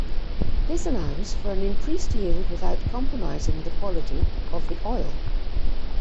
This allows for an increased yield without compromising the quality of the oil.